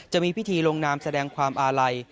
จะมีพิธีลงนามแสดงความอาลัย